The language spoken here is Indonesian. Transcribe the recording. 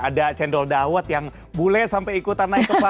ada cendol dawat yang bule sampai ikutan naik ke bawah